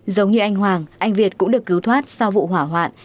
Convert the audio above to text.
giống như anh hoàng anh việt cũng được cứu thoát sau vụ hỏa hoạn